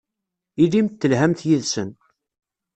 Ilimt telhamt yid-sen.